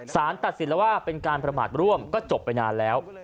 สารตัดสินแล้วว่าเป็นการประมาทร่วมก็จบไปนานแล้ว